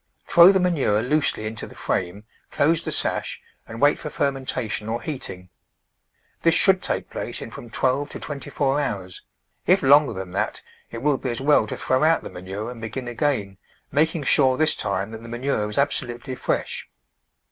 Throw the manure loosely into the frame, close the sash and wait for fermentation or heating. This should take place in from twelve to twenty four hours; if longer than that it will be as well to throw out the manure and begin again, making sure this time that the manure is absolutely fresh.